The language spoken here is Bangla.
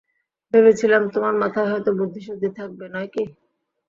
ভেবেছিলাম, তোমার মাথায় হয়তো বুদ্ধিসুদ্ধি থাকবে, নয় কি?